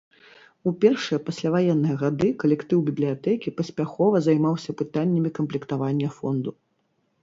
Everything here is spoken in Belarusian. У першыя пасляваенныя гады калектыў бібліятэкі паспяхова займаўся пытаннямі камплектавання фонду.